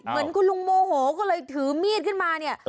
เหมือนคุณลุงโมโหก็เลยถือมีดขึ้นมาเนี่ย